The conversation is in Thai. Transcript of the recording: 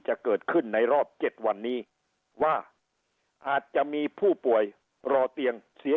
จะเกิดขึ้นในรอบ๗วันนี้ว่าอาจจะมีผู้ป่วยรอเตียงเสีย